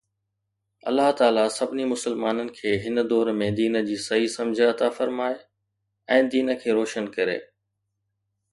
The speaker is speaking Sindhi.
الله تعاليٰ سڀني مسلمانن کي هن دور ۾ دين جي صحيح سمجھ عطا فرمائي ۽ دين کي روشن ڪري